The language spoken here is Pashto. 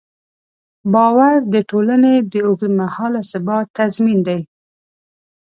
باور د ټولنې د اوږدمهاله ثبات تضمین دی.